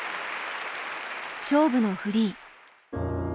勝負のフリー。